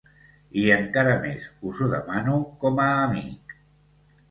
I, encara més, us ho demano com a amic.